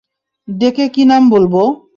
ডেকে কি নাম বলবো?